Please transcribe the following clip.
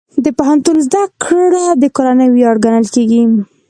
د پوهنتون زده کړه د کورنۍ ویاړ ګڼل کېږي.